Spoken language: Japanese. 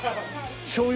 しょうゆ